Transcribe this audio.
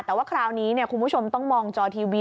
แต่ว่าคราวนี้คุณผู้ชมต้องมองจอทีวี